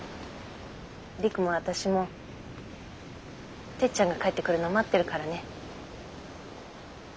璃久も私もてっちゃんが帰ってくるの待ってるからね。